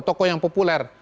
tokoh yang populer